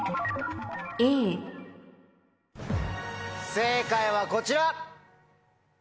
正解はこちら。